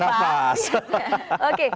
mau bercanda sama rumah